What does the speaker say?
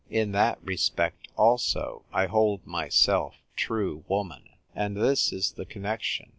In that respect also I hold myself true woman. And this is the connection.